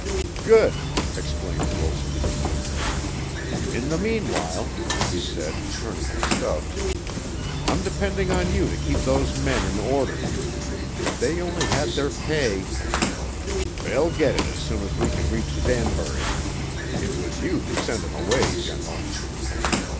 "Good!" exclaimed Wilson. "In the meanwhile," he said, turning to Stubbs, "I'm depending on you to keep those men in order. If they only had their pay " "They'll get it as soon as we can reach Danbury. It was you who sent him away, General."